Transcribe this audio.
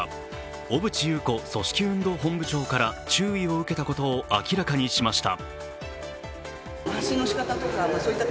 小渕優子組織運動本部長から注意を受けたことを明らかにしました。